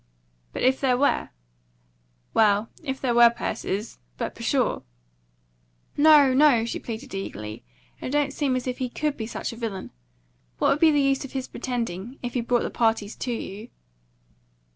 "But if there were?" "Well, if there were, Persis But pshaw!" "No, no!" she pleaded eagerly. "It don't seem as if he COULD be such a villain. What would be the use of his pretending? If he brought the parties to you."